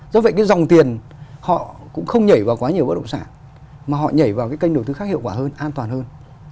do vậy cái dòng tiền họ cũng không nhảy vào quá nhiều bất động sản mà họ nhảy vào cái kênh đầu tư khác hiệu quả hơn an toàn hơn